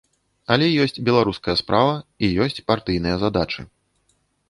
Але ёсць беларуская справа, і ёсць партыйныя задачы.